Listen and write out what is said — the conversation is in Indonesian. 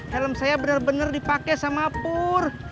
helm saya bener bener dipake sama pur